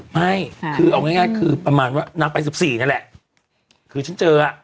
ไม่คือเอาง่ายคือประมาณว่านักไป๑๔นี่แหละคือฉันเจออะ